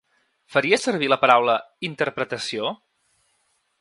Faries servir la paraula ‘interpretació’?